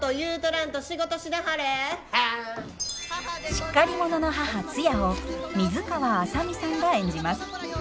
しっかり者の母ツヤを水川あさみさんが演じます。